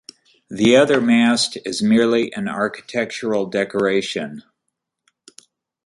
The other mast is merely an architectural decoration.